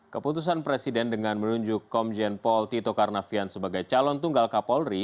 keputusan presiden dengan menunjuk komjen paul tito karnavian sebagai calon tunggal kapolri